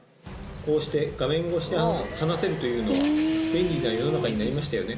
こうして画面越しで話せるというのは便利な世の中になりましたよね。